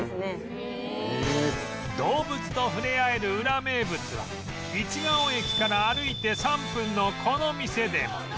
動物と触れ合えるウラ名物は市が尾駅から歩いて３分のこの店でも